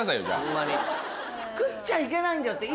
食っちゃいけないんだよって。